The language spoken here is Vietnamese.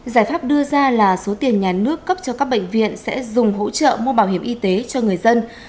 giải pháp đưa ra là số tiền nhà nước cấp cho các bệnh viện sẽ dùng hỗ trợ mua bảo hiểm y tế cho người dân